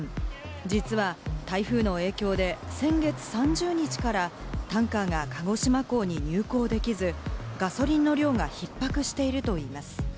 実は台風の影響で先月３０日からタンカーが鹿児島港に入港できず、ガソリンの量がひっ迫しているといいます。